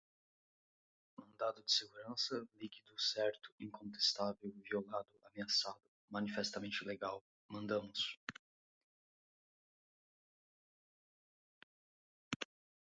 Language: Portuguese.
mandado de segurança, líquido, certo, incontestável, violado, ameaçado, manifestamente ilegal, mandamus